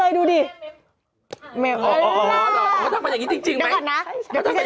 เออเอาถ้ากี้ก็ทำเป็นแบบนี้จริงวัดหน่อย